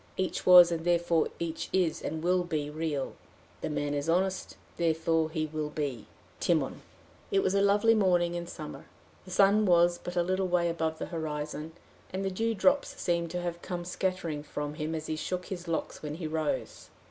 Each was, and therefore each is and will be, real. ".... The man is honest." "Therefore he will be, Timon." It was a lovely morning in summer. The sun was but a little way above the horizon, and the dew drops seemed to have come scattering from him as he shook his locks when he rose.